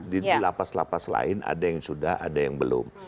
di lapas lapas lain ada yang sudah ada yang belum